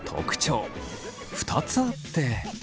２つあって。